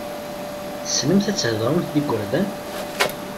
Tessnemt ad theḍṛemt d igurdan?